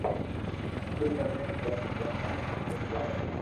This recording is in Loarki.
تو مني ڪوم ڪروا ڪون ڪئي دي